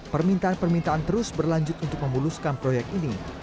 permintaan permintaan terus berlanjut untuk memuluskan proyek ini